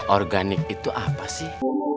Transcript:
organik itu apa sih